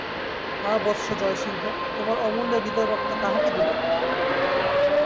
হা বৎস জয়সিংহ, তোমার অমূল্য হৃদয়ের রক্ত কাহাকে দিলে!